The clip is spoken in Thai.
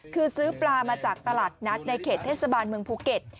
คือซื้อปลามาจากตลาดนัดในเขตเทศบาลเมืองภูเก็ต